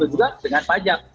begitu juga dengan pajak